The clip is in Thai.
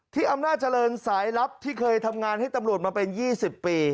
อำนาจเจริญสายลับที่เคยทำงานให้ตำรวจมาเป็น๒๐ปี